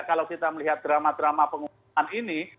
kalau kita melihat drama drama pengumuman ini